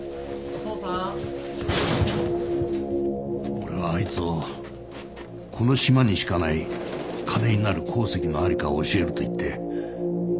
俺はあいつをこの島にしかない金になる鉱石の在りかを教えると言って妖の森に連れ出した。